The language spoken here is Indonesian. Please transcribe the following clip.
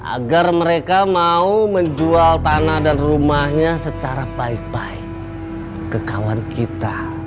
agar mereka mau menjual tanah dan rumahnya secara baik baik ke kawan kita